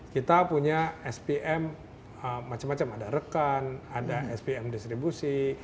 kita punya spm macam macam ada rekan ada spm distribusi